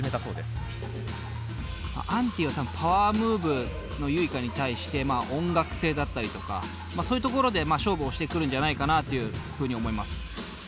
Ａｎｔｉは多分パワームーブのＹｕｉｋａに対して音楽性だったりとかそういうところで勝負をしてくるんじゃないかなというふうに思います。